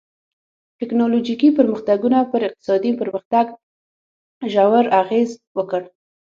ټکنالوژیکي پرمختګونو پر اقتصادي پرمختګ ژور اغېز وکړ.